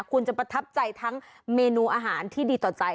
คุณจะประทับใจทั้งเมนูอาหารที่ดีต่อใจ